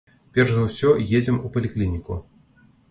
Перш за ўсё едзем у паліклініку.